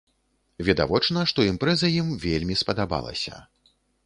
Відавочна, што імпрэза ім вельмі спадабалася.